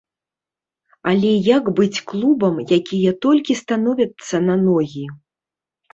Але як быць клубам, якія толькі становяцца на ногі?